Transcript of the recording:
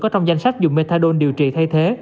có trong danh sách dùng methadone điều trị thay thế